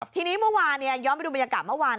ทีนี้เมื่อวานย้อนไปดูบรรยากาศเมื่อวาน